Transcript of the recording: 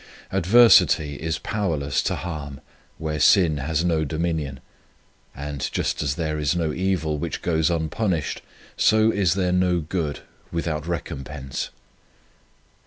Adversity is powerless to harm where sin has no dominion; and just as there is no evil which goes unpunished, so is there no good without recompense.